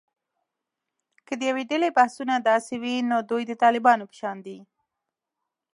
که د یوې ډلې بحثونه داسې وي، نو دوی د طالبانو په شان دي